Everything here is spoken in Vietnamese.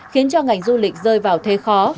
khiến cho ngành du lịch rơi vào thế khó